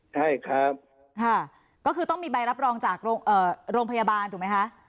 ใช่ครับค่ะก็คือต้องมีใบรับรองจากโรงพยาบาลถูกไหมคะ